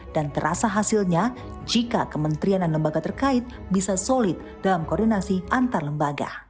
dan terasa hasilnya jika kementerian dan lembaga terkait bisa solid dalam koordinasi antar lembaga